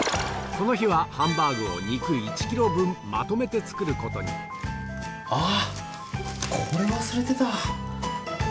この日はハンバーグを肉１ｋｇ分まとめて作ることにあっ！